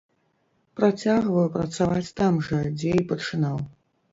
Працягваю працаваць там жа, дзе і пачынаў.